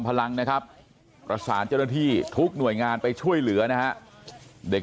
พลังนะครับประสานเจ้าหน้าที่ทุกหน่วยงานไปช่วยเหลือนะฮะเด็ก